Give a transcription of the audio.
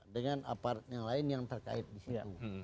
dengan aparat yang lain yang terkait di situ